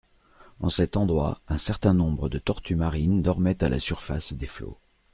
En cet endroit, un certain nombre de tortues marines dormaient à la surface des flots.